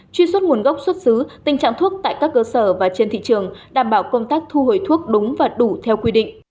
truy xuất nguồn gốc xuất xứ tình trạng thuốc tại các cơ sở và trên thị trường đảm bảo công tác thu hồi thuốc đúng và đủ theo quy định